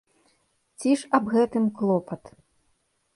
Ці ж аб гэтым клопат?